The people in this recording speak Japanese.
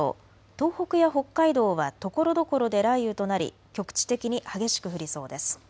東北や北海道はところどころで雷雨となり局地的に激しく降りそうです。